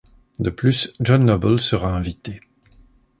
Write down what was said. De plus, John Noble sera invité.